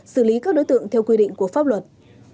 xử lý các đối tượng theo quy định của pháp luật